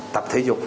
tập thể dục